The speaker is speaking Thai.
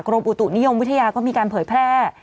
อุตุนิยมวิทยาก็มีการเผยแพร่